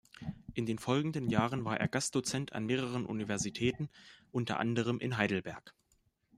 In den folgenden Jahren war er Gastdozent an mehreren Universitäten, unter anderem in Heidelberg.